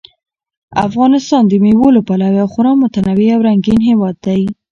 افغانستان د مېوو له پلوه یو خورا متنوع او رنګین هېواد دی.